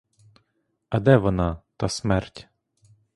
А де вона, та смерть?